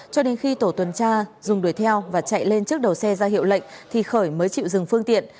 cho đến khi tổ tuần tra dùng đuổi theo và chạy lên trước đầu xe ra hiệu lệnh thì khởi mới chịu dừng phương tiện